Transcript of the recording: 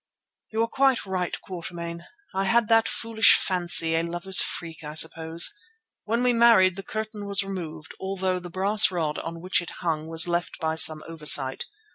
"You are quite right, Quatermain. I had that foolish fancy, a lover's freak, I suppose. When we married the curtain was removed although the brass rod on which it hung was left by some oversight.